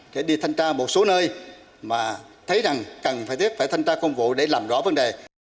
để đi thanh tra một số nơi mà thấy rằng cần phải tiếp phải thanh tra công vụ để làm rõ vấn đề